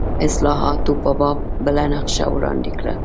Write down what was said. اصلاحاتو په باب بله نقشه وړاندې کړه.